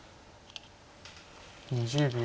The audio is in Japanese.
２０秒。